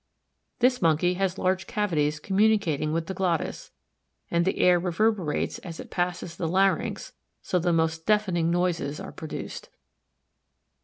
This Monkey has large cavities communicating with the glottis, and the air reverberates as it passes the larynx so the most deafening noises are produced.